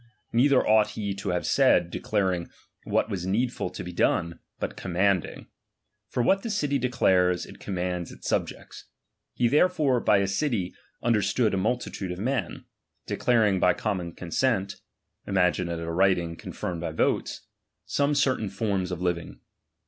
Neither ought he to have saiA, declaring v/hat was needful to be done, but commanding ; for what the city declares, it commands its subjects. He therefore by a city understood a multitude of men, declaring by common consent (imngiue it a writing con firmed by votes) some certain forms of living.